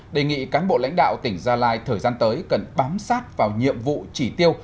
đề nghị cán bộ lãnh đạo tỉnh gia lai thời gian tới cần bám sát vào nhiệm vụ chỉ tiêu